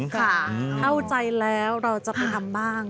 เข้าใจแล้วเราจะไปทำบ้าง